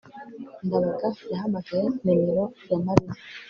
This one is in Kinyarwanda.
ndabaga yahamagaye nimero ya mariya